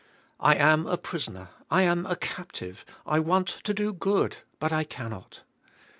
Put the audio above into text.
I am a prisoner, I am a captive, I want to do good but I cannot.